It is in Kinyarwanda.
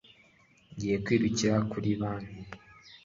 Ngiye kwirukira kuri banki.